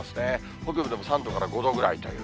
北部でも３度から５度ぐらいという。